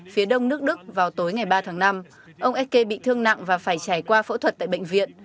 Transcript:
phía đông nước đức vào tối ngày ba tháng năm ông ecke bị thương nặng và phải trải qua phẫu thuật tại bệnh viện